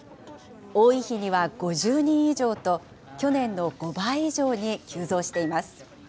多い日には５０人以上と、去年の５倍以上に急増しています。